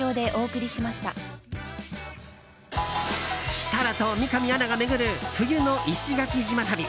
設楽と三上アナが巡る冬の石垣島旅。